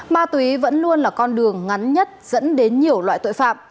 ma túy vẫn luôn là con đường ngắn nhất dẫn đến nhiều loại tội phạm